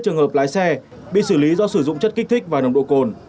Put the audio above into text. công an xe bị xử lý do sử dụng chất kích thích và nồng độ cồn